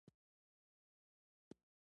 زما او د خلكو مثال داسي دئ لكه څوك چي اور بل كړي